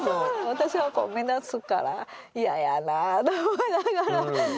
私はこう目立つからイヤやなと思いながら。